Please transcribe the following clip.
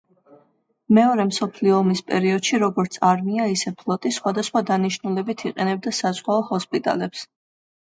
მეორე მსოფლიო ომის პერიოდში, როგორც არმია ისე ფლოტი სხვადასხვა დანიშნულებით იყენებდა საზღვაო ჰოსპიტალებს.